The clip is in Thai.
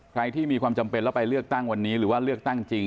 ที่มีความจำเป็นแล้วไปเลือกตั้งวันนี้หรือว่าเลือกตั้งจริง